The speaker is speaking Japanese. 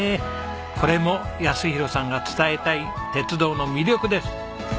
これも泰弘さんが伝えたい鉄道の魅力です。